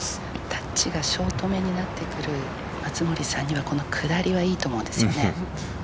タッチがショートめになってくる松森さんにはこの下りはいいと思うんです。